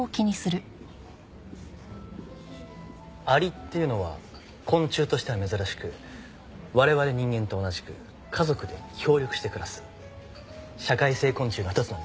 蟻っていうのは昆虫としては珍しく我々人間と同じく家族で協力して暮らす社会性昆虫の一つなんですね。